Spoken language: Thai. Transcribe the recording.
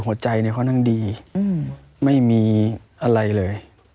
หัวใจในเขานั่งดีไม่มีอะไรเลย